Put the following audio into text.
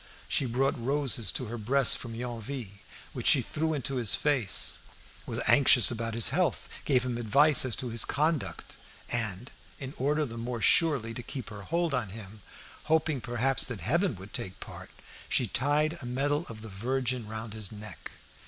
She brought roses to her breast from Yonville, which she threw into his face; was anxious about his health, gave him advice as to his conduct; and, in order the more surely to keep her hold on him, hoping perhaps that heaven would take her part, she tied a medal of the Virgin round his neck.